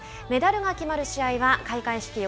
メダルが決まる試合は開会式